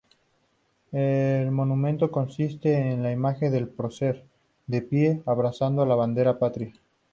El monumento consiste en la imagen del prócer, de pie, abrazando la bandera patria.